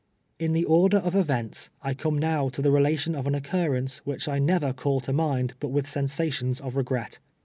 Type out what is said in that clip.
In the order of events, I come now to the relation of an occurrence, which I never call to mind but with sensations of regret.